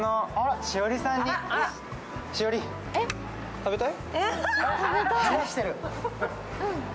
食べたい。